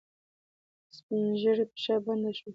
د سپينږيري پښه بنده شوه.